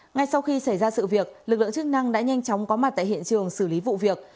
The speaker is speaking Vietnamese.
ngay sau khi xảy ra sự việc lực lượng chức năng đã nhanh chóng có mặt tại hiện trường xử lý vụ việc